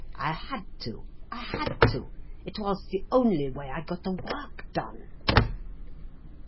I had to, I had to. It was the only way I got the work done."